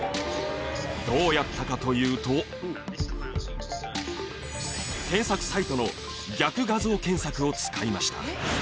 どうやったかというと検索サイトの。を使いました。